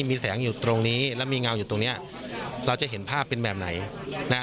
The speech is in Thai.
มีแสงอยู่ตรงนี้แล้วมีเงาอยู่ตรงเนี้ยเราจะเห็นภาพเป็นแบบไหนนะ